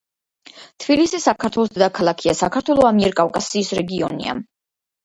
თბილისი საქართველოს დედაქალაქია.საქართველო ამიერკავკასიის რეგიონია.